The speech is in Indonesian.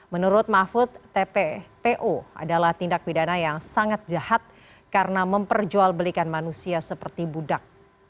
menurut mahfud tppo adalah tindak pidana yang sangat jahat karena memperjualbelikan manusia seperti budak